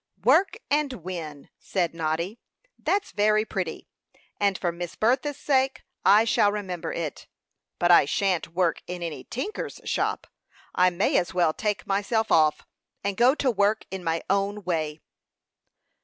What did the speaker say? "Work and win!" said Noddy. "That's very pretty, and for Miss Bertha's sake I shall remember it; but I shan't work in any tinker's shop. I may as well take myself off, and go to work in my own way."